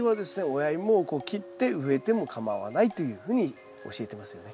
親イモをこう切って植えても構わないというふうに教えてますよね。